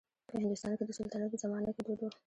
په هندوستان کې د سلطنت په زمانه کې دود و.